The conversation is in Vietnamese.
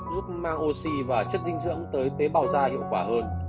giúp mang oxy và chất dinh dưỡng tới tế bào da hiệu quả hơn